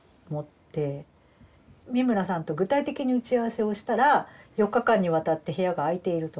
三村さんと具体的に打ち合わせをしたら４日間にわたって部屋が空いていると。